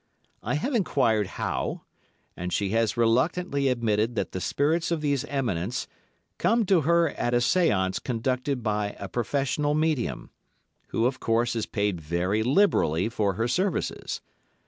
I have enquired how, and she has reluctantly admitted that the spirits of these eminents come to her at a séance conducted by a professional medium, who, of course, is paid very liberally for her services.